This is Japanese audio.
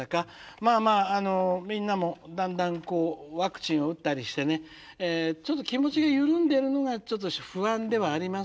まあまあみんなもだんだんこうワクチンを打ったりしてねちょっと気持ちが緩んでるのがちょっと不安ではありますけどもね。